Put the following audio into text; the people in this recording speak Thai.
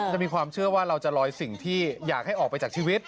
มีความเชื่อว่าเราจะลอยสิ่งที่อยากให้ออกไปจากชีวิต